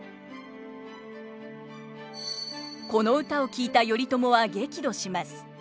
この歌を聞いた頼朝は激怒します。